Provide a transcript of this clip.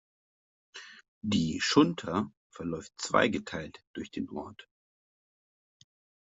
Die Schunter verläuft zweigeteilt durch den Ort.